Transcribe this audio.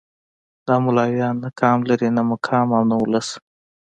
دا ملايان نه قام لري نه مقام او نه ولس.